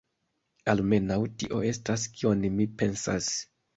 Almenaŭ, tio estas kion mi pensas.